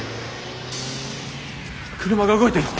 車が動いてる！